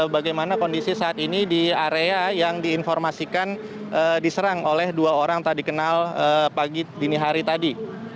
bagaimana kondisi saat ini di area yang diinformasikan diserang oleh dua orang tadi kenal pagi dini hari tadi